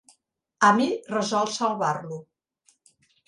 Amy resol salvar-lo.